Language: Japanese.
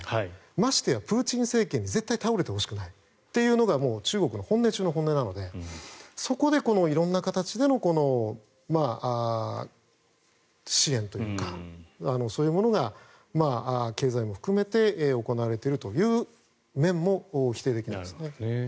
ましてやプーチン政権に絶対に倒れてほしくないというのが中国の本音中の本音なのでそこでこの色んな形での支援というかそういうものが経済も含めて行われているという面も否定できないですね。